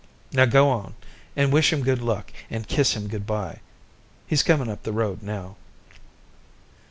Now go on, and wish him good luck and kiss him goodbye. He's coming up the road now."